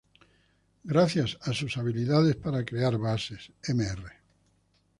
Gracias a sus habilidades para crear bases, Mr.